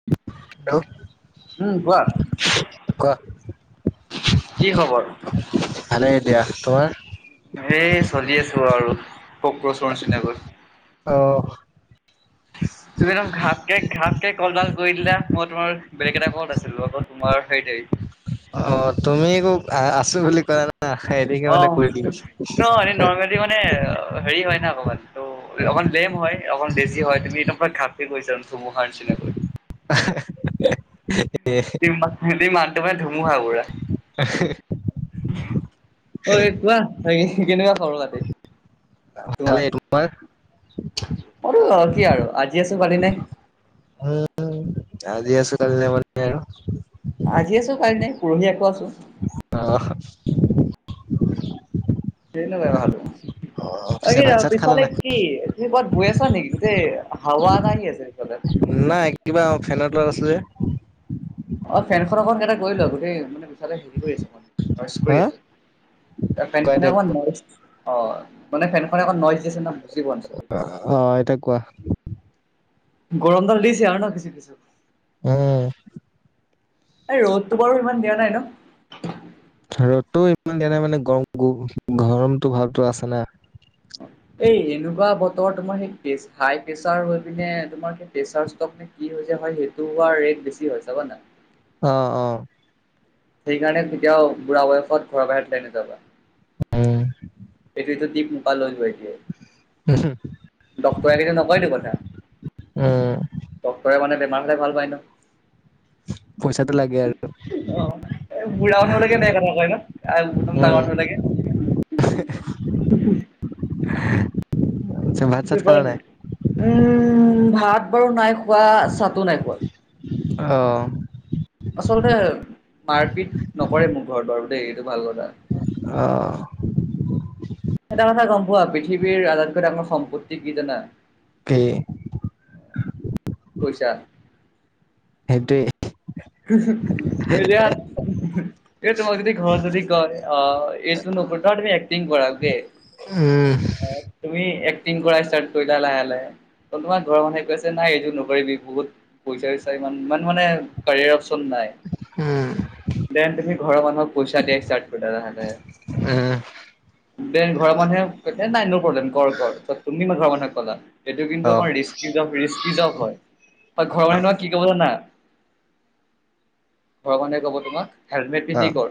Hello উম কোৱা, কি খবৰ? ভালে দিয়া। তোমাৰ? এই চলি আছো আৰু, কক্ৰচৰ চিনাকৈ অ তুমি একদম ঘাপকে ঘাপকে কলডাল কৰি দিলা, মই তোমাৰ বেলেগ এটা কলত আছিলো, লগত তোমাৰ হেৰি অ তুমি আকৌ আছো বুলি ক'লা নহয়, এনেকে মানে অ' কৰি দিলো। ন এনে নৰ্মেলি মানে হেৰি হয় না অকমান ত অকণ লেম হয়, অকন বেজি হয়, তুমি একদম পোৰা ঘাপকে কৰিছা ধুমুহাৰ নিচিনাকৈ, [unintelligible] তুমি মাতটো পৰাও ধুমুহাও হা অই কোৱা, বাকী কেনেকুৱা খবৰ খাতি? ভালে। তোমাৰ? অ কি আৰু আজি আছো কালি নাই। উম, আজি আছো কালি নাই মানে আৰু? আজি আছো কালি নাই, পৰহি আকৌ আছো। অহ তেনে ব্যৱহাৰ তোৰ অ অই পিছে ভাত চাত খালা পিছফালে নাই? কি তুমি ক'ৰাত গৈ আছা নেকি? গোটেই হাৱা এটা আহি আছে পিছফালে। নাই কিবা ফেনৰ তলত আছো যে। অ ফেনখন অক এটা গৈ ল গোটেই মানোলে হ ম কৰি হা আ [unintelligible] কোৱা ফেনখনে এতিয়া অকমান কোৱা। নইচ অ, মানে ফেনখনে অকণ নইজ দিছে ন বুজি পোৱা নাই। অ এতিয়া কোৱা? গৰমডাল দিছে আৰু ন কিছু কিছু? উম এই ৰ'দটো বাৰু ইমান দিয়া নাই ন? ৰ'দটো ইমান দিয়া নাই মানে, গৰম গ গৰমটো ভাভতো আছে না এই এনেকুৱা বতৰত তোমাৰ সেই হাই প্ৰেচাৰ হৈ পিনে তোমাৰ সেই প্ৰেছাৰ ষ্ট্ৰ'ক কি হয় যে, সেইটো আৰু ৰেট বেছি হয় ছাবা না অ অ সেইকাৰণে কেতিয়াও বুঢ়া বয়ত ঘৰৰ বাহিত ওলাই নাযাব। উম এইটোতো দীপ মুপা লৈ গৈ আছে [unintelligible] কথা উম, ডক্টৰে মানে বেমাৰ হোলেই ভাল পায় ন পইচাটো লাগে আৰু অ বুঢ়া মানুহ বিলাকে এনেকা কথা কয় অ ম উম, ডাঙৰ [unintelligible] হু [unintelligible] পিছে ভাত চাত খালা নাই? [unintelligible] উম ভাত বাৰু নাই খোৱা চাতো নাই খোৱা অঁ আচলতে মাৰপিট নকৰে মোক ঘৰত বাৰু দেই এইটো ভাল কথা অহ এটা কথা গম পোৱা পৃথিৱীৰ আটাইতকৈ আপোনাৰ সম্পত্তি কি জানা তে পইছা সেইটোৱে [unintelligible] এৰি দিয়া এই তোমাক যদি ঘৰত যদি কয় অ এই টো নপটা তুমি এক্টিং কৰা [unintelligible] ওম তুমি এক্টিং কৰা ষ্টাৰ্ট কৰি লা লাহে- লাহে। তোমাৰ ঘৰৰ মানুহে কৈছে নাই, এইবোৰ নকৰিবি বহুত, পইচা চইচা ইমান মানে, কাৰিয়াৰ অপশ্যন নাই। উম। দেন তুমি ঘৰ মানুহক পইচা দিয়া ষ্টাৰ্ট কৰিলা লাহে- লাহে। উম। দে ঘৰ মানুহে কৈছে নাই ন প্ৰ্লেম কৰ -কৰ তুমি মই ঘৰ মানুহে কলা। এইটো অ কিন্তু অলপ ৰিস্কী জব, ৰিস্কী জব হয়। ঘৰৰ অ মানুহে কি ক'ব জানা? ঘৰৰ মানুহে কব তোমাক হেলমেট অ পিন্ধি কৰ।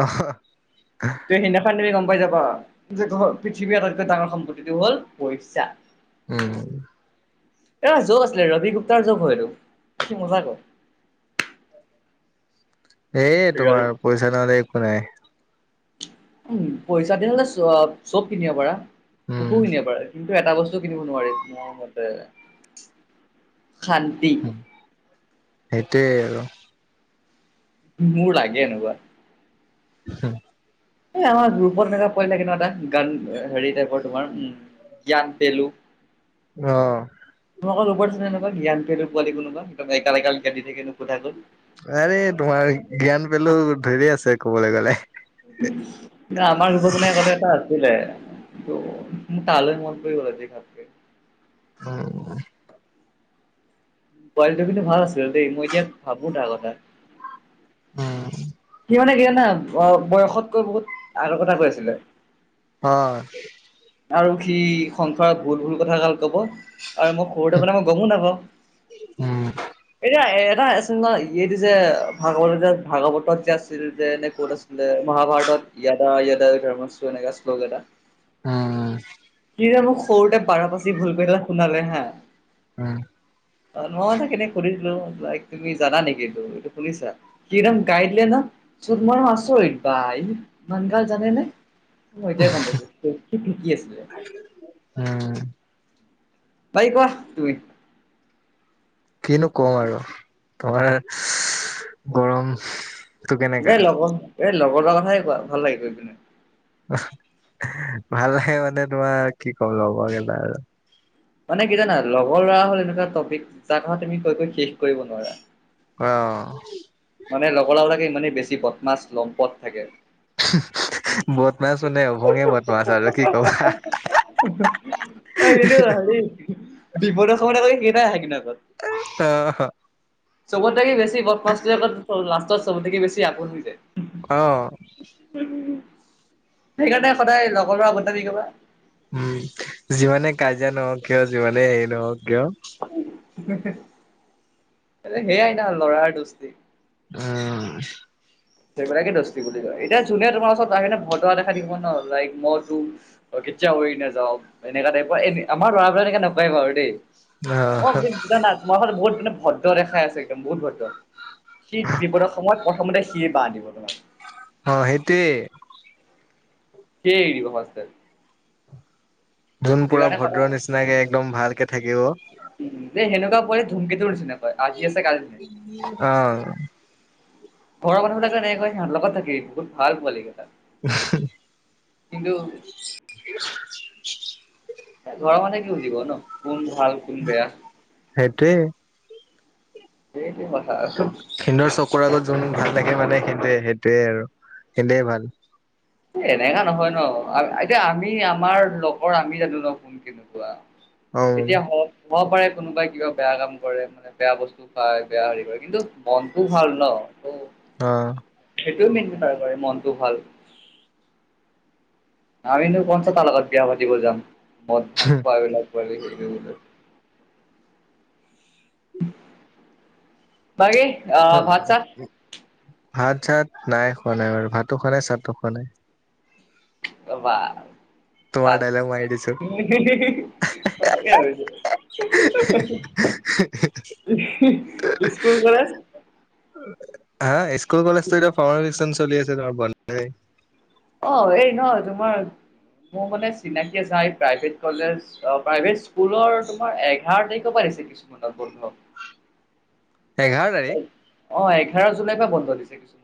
অ সেইদিনাখন গম পাই যাবা পৃথিৱীৰ আটাইতকৈ ডাঙৰ সম্পত্তিটো হল পইচা। উম। এ জ আছিলে, ৰবি গুপ্তাৰ জব হয় এইটো। কি মজা কয়। এ ৰিয়েলি তোমাৰ, পইচা নহলে একো নাই। উম, পইচা দিল হলে চ চব কিনিব পাৰা সুখো উম কিনিব পাৰে। এটা বস্তু কিনিব নোৱাৰি মোৰ মতে, শান্তি। সেইটোৱেই আৰু। মোৰ লাগে এনেকুৱা। হ। এই আমাৰ গ্ৰুপত এনেকুৱা পিলে কেনো এটা গান হেৰি টাইপৰ তোমাৰ উ। জ্ঞান দিলোঁ। অ। [unintelligible] আৰে তোমাৰ জ্ঞান পালেও ধৰি আছে। কবলৈ গলে। আমাৰ বিপত মানে আগতে এটা আছিলে। ম, তালৈ মন কৰিব। [inaudible] অ। পোৱালিটো কিন্তু ভাল আছিল দেই। মই এতিয়া ভাবো। তাৰ কথা। উম। সি মানে কি জানা বয়সতকৈ বহুত আগৰ কথা কৈ আছিলে। হয় আৰু সি সংসাৰত ভুল - ভুল কথা গাল কব। আৰু মই সৰুতে থাকে মই গমো নাপাওঁ। উম এতিয়া এটা নহয় ইটো যে ভাগৱত যে ভাগৱতত যে আছিল যে, ক'ত আছিলে মহাভাৰতত। ইয়াদা -ইয়াদা ধৰ্মচ এনেকোৱা শ্লেক এটা। উম। উম সি যে মোক সৰুতে পাৰা পাচিত ভুল শুনালে হা। উম। অহ অ, তাক এদিন সুধিছিলো, লাইক তুমি জানা নেকি? এইটো শুনিছা? সি কদম গাই দিলে নহয়, চব মই আচৰিত। বা ইমান গাল জানে নে? মই এতিয়াই গম পাইছো। কি কি আছিলে? উম। তাই কোৱা তুমি? কিনো কম আৰু। ভঙা ৰেক্সচ গৰম। এই লগৰ, এই লগৰ লৰাৰ কথাকে কথাইে কোৱা। ভাল লাগে পিনে। ভাল লাগে মানে তোমাৰ, কি কম। লগৰ কেইটা আৰু। মানে কি জানা। লগৰ ল'ৰা হ'ল এনেকুৱা টপিক যাৰ কথা তুমি কৈ -কৈ শেষ কৰিব নোৱাৰা। অহ মানে লগৰ লৰাবোৰ ইমানে বেছি বদমাচ, লম্পট থাকে। বদ মাছ মনে অভঙে বদমাছ। আৰু কি ক'বা। [unintelligible] ঐ ভিনদেউ কি সি বিপদৰ সময়ত আকৌ সেইকেইটাই আহে কিন্তু আগত এইটো হ চনত থাকি বেছি বদমাছটোৱে আকৌ লাষ্টত চবত থাকি বেছি আপোন হৈ যায় অহ হুম সেইকাৰণে সদায় লগৰ লৰা বদনামি গাবা উম যিমানে কাজিয়া নহওঁক কিয় যিমানে হেৰি নহওঁক কিয় হুম হেহু সেয়াই না লৰাৰ দুষ্ট উম সেইবিলাকে দস্টি বুলি কয় এতিয়া যোনে তোমাৰ ওচৰত আহি ন ভদোৱা দেখুৱাই থাকিব ন লাইক মই তোৰ অহ কেতিয়াও ঘূৰি নায়াওঁ এনেকা টাইপৰ এই ল'ৰা নকয় বাৰু দেই অহ তুমি বুজা না তোমাৰ ফালে মানে ভদ্ৰ দেখাই আছে একদম বহুত ভদ্ৰ সি বিপদৰ সময়ত প্ৰথমতে সি বান অহ সেইটোৱে সিয়ে এৰি দিব ফাৰ্ষ্টত টাইম যোন পোৰা সেইকাৰণে কথা ভদ্ৰৰ নিচিনাকে একদম ভালকে থাকিব যে সেনেকুৱা [unintelligible] ধুমকেতুৰ নিচিনা [unintelligible] আজি আছে কালি অহ ঘৰৰ মানুহবিলাকো এনেকে কয় সিহঁতৰ লগত থাকিবি বহুত ভাল পোৱালীকেইটা হুহ কিন্তু ঘৰৰ মানুহে কি বুজিব ন কোন ভাল কোন বেয়া। সেইটোৱেই সেইটোৱে কথা আৰু। সিহঁতৰ চকুৰ আগত যোন ভাল দেখে মানে সেইটোয়ে সেইটোয়ে আৰু সিহঁতে ভাল এনেকা নহয় ন এতিয়া আমি আমাৰ লগৰ আমি জানো ন কোন কেনেকুৱা অ এতিয়া হ হব পাৰে কোনোবাই কিবা বেয়া কাম কৰে মানে বেয়া বস্তু খাই বেয়া হেৰি কৰে কিন্তু মনটো ভাল ন ত অ সেইটো কৰে মনটো ভাল আমিনো কনছা তাৰ লগত বিয়া পাতিব যাম মদ ভাং খোৱা বিলাক। [unintelligible] বাকী আহ ভাত চাত ভাত চাত নাই খোৱা নাই বাৰু ভাতো খোৱা নাই চাতো খোৱা নাই বা তোমাৰ তাত দাইলগ মাৰি দিছো [unintelligible] [unintelligible] স্কুল কলেজ [unintelligible] অ এই নহয় তোমাৰ মোৰ মানে চিনাকি প্ৰাইভেট কলেজ প্ৰাইভেট স্কুলৰ তোমাৰ এঘাৰ তাৰিখৰ পৰা দিছে কিছুমানত বন্ধ এঘাৰ তাৰিখ অ এঘাৰ জুলাই পৰা বন্ধ দিছে কিছু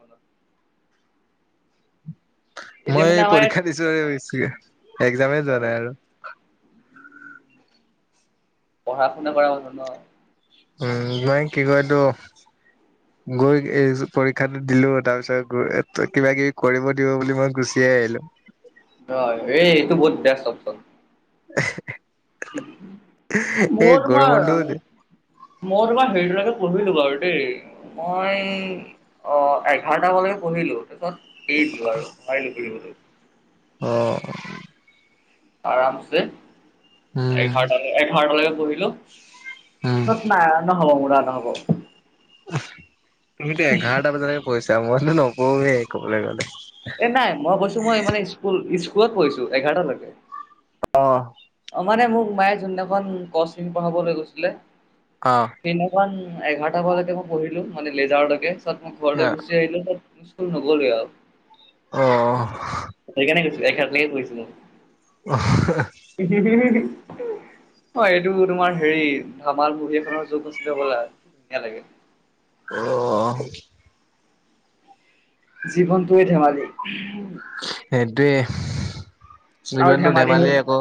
এতিয়া মই মানে আমাৰ ইয়াত পৰীক্ষা দিছো একজামে যোৱা নাই আৰু পঢ়া শুনা কৰা মাজত ন উম কি কয় এইটো গৈ এই পৰীক্ষাটো দিলো তাৰ পিছত গ কিবা কিবি কৰিব দিব বুলি মই গুচিয়ে আহিলো হয় এই এইটো বহুত বেষ্ট অপচন মই এই তোমাৰ গৰমবন্ধও মই তোমাৰ হেৰি টোলৈকে পঢ়িলো বাৰু দেই মই অ এঘাৰটা মানলৈকে পঢ়িলো তাৰ পিছত এৰি দিলো আৰু ভাৰিলো পহিবো অ আৰামছে উম এঘাৰটালে এঘাৰটালৈকে পঢ়িলো উম ন নহ'ব মৰা নহ'ব তুমিতো এঘাৰটা বজালৈকে পঢ়িছা মইতো নপঢ়োৱে কবলৈ গ'লে এ নাই মই কৈছো মই মানে স্কুল স্কুলত পঢ়িছো এঘাৰটালৈকে অ অ মানে মোক মায়ে যোন দিনাখন ক শ্ৰেণীত পঢ়াবলৈ গৈছিলে অ সেইদিনাখন এঘাৰটা বজালৈকে মই পঢ়িলো মানে লেজাৰলৈকে পিছত মই ঘৰলৈ গুচি আহিলো ত শুন নক'লে আৰু অ অ সেইকাৰণে কৈছো একেত লগে গৈছো [unintelligible] [unintelligible] হয় এইটো তোমাৰ হেৰি ধামাল মুভি খনৰ যুগ আছিলে হ'বলা ধুনীয়া লাগে অহ জীৱনটোৱে ধেমালি সেইটোৱে আৰু জীৱনটো হ'ল ধেমালি আক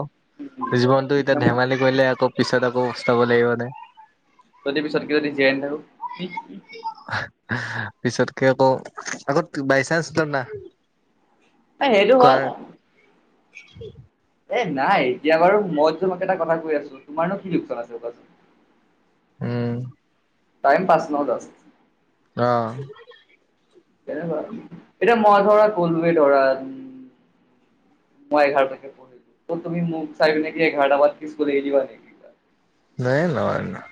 জীৱনটো এতিয়া ধেমালি কৰিলে আকৌ পিছত আকৌ পচতাব লাগিব যে যদি পিছতকে যদি জীয়াই নাথাকো কি পিছতকে আকৌ আকৌ বাইচেন্স ত না অ সেইটো হল কাৰ [unintelligible] এ নাই এতিয়া বাৰু মই তোমাক এটা কথা কৈ আছো তোমাৰনো কি লোকচান আছে কোৱাচোন উম টাইম পাছ নহ দষ্ট অ তেনেকুৱা এতিয়া মই ধৰা কলোৱে ধৰা মই এঘাৰ তাৰিখে পঢ়িম অ তুমি মোক চাই পিনি কি এঘাৰটা পা স্কুল এৰি দিবা নেকি নাই নোৱাৰো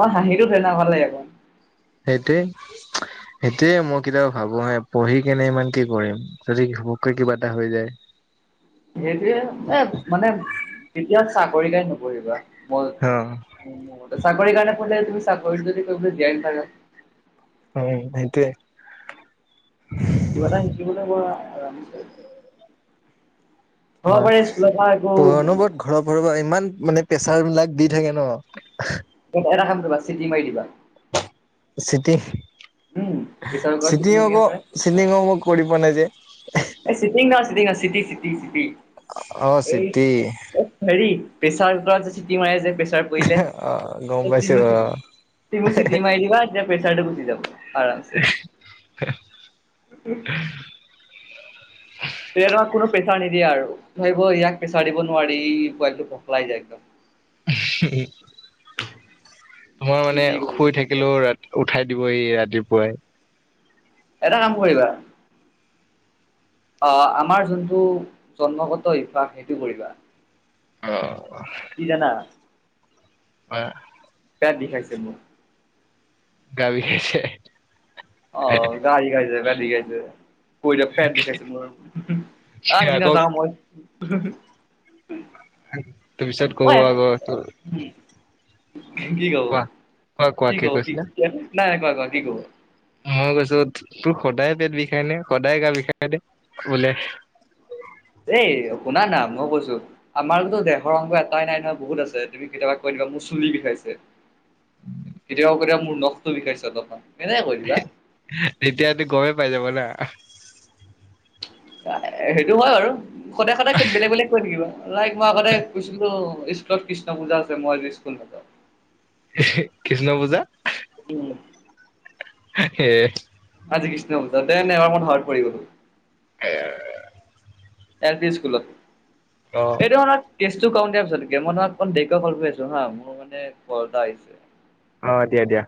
অ হাঁহিটো তেনেকোৱা লাগিব সেইটোৱে সেইটোৱে মই কেতিয়াবা ভাবো হা পঢ়ি কেনে ইমান কি কৰিম যদি ঘপককে কিবা এটা হৈ যায় সেইটোয়ে এ মানে কেতিয়া চাকৰিৰ এটা নকৰিবা অ অ মোৰ মতে চাকৰি কাৰনে পঢ়িলে তুমি চাকৰিত যদি কৰিবলে জীয়াই নাথাকা উম সেইটোয়ে কিবা এটা শিকিবলে মোৰ আৰামছে হব পাৰে স্কুলত মই একো তোমাৰ অনবৰত ঘৰৰ পৰা পঢ়বা ইমান মানে প্ৰেছাৰ বিলাক দি থাকে ন এটা কাম কৰিবা চিটিং মাৰি দিবা চিটিং উম প্ৰেছাৰ কুকাৰৰ চিটি চিটিং যেনেকে অক মাৰে চিটিং কৰিব নাযানিম এই চিটিং নহয় চিটিং চিটি চিটি চিটি অ এই চিটি হেৰি প্ৰেচাৰ কুকাৰত যে চিটি মাৰে যে পৰিলে অ গম [unintelligible] পাইছো অ চিটি মাৰি দিবা তেতিয়া পেছাৰটো গুচি যাব আৰাম চে তেতিয়া তোমাক কোনো প্ৰেছাৰ নিদিয়ে আৰু ভাবিব ইয়াক প্ৰেছাৰ দিব নোৱাৰি ই পোৱালিটো পখলাই যায় উম তোমাৰ মানে শুই থাকে থাকিলো ৰা উঠাই দিবহি ৰাতিপুৱাই এটা কাম কৰিবা অ আমাৰ যোনটো জন্মগত অভ্যাস সেইটো কৰিবা অহ কি জানা হয় পেত বিখাইছে মোৰ গা বিখাইছে অ গা বিখাইছে পেট বিখাইছে পৰিলে পেট বিষাইছে মোৰ আজি না আকৌ যাওঁ মই তোৰ পিছত কব আকৌ তোৰ উম কি কব কোৱা কোৱা কি কব কি কৈছিলা? নাই কোৱা কোৱা কি কব মই কৈছো তোৰ সদায় পেট বিষাই নে সদায় গা বিষাই নে বোলে এই শুনা না মই কৈছো আমাৰতো দেহৰ অংগ এটাই নাই নহয় বহুত আছে তুমি কেতিয়াবা কৈ দিবা মোৰ চুলি বিষাইছে কেতিয়াবা কেতিয়াবা মোৰ নখটো বিষাইছে ৰখা এনেই কৈ দিবা তেতিয়াতো গমেই পাই যাব না সেইটো হয় বাৰু সদায় সদায় বেলেগ বেলেগ কৈ থাকিবা লাইক মই আগতে কৈছিলো স্কুল স্কুলত কৃষ্ণ পূজা আছে মই আজি স্কুল নাযাওঁ এ হে কৃষ্ণ পূজা উম হে আজি কৃষ্ণা পূজা দে ন এবাৰ মই ধৰাত পৰি গোলো সেয়ে এল পি স্কুলত অ সেইটো সনত কেছ টো কম দিয়া পিছতে মই তোমাক অকণ দেৰিকে কৰা কৰি আছো হা মোৰ মানে কল এটা আহিছে অ দিয়া দিয়া